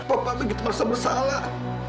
papa itu gitu merasa bersalah